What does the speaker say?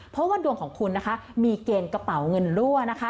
เพราะว่าดวงของคุณนะคะมีเกณฑ์กระเป๋าเงินรั่วนะคะ